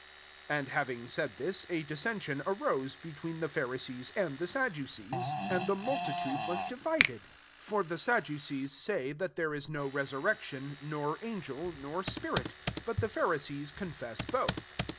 7 And having said this^adii* sension arose between the Pk* risees and the Sadducees: md the multitmde was divided. S ACTS XXIII. 24t For the Saddttcees saj that there is no resurrection^ nor angel nor spirit ; but the Phari sees confess both.